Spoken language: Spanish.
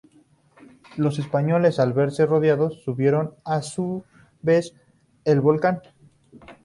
Los españoles, al verse rodeados, subieron a su vez el volcán.